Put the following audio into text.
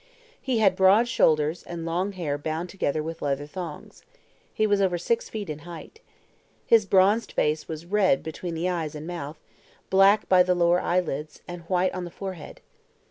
He had broad shoulders, and long hair bound together with leather thongs. He was over six feet in height. His bronzed face was red between the eyes and mouth, black by the lower eyelids, and white on the forehead.